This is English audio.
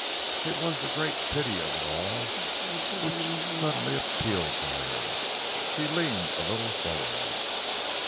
It was the great pity of it all which suddenly appealed to her. She leaned a little forward.